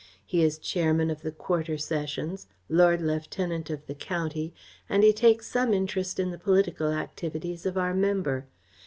He is Chairman of the Quarter Sessions, Lord Lieutenant of the County, and he takes some interest in the political activities of our Member.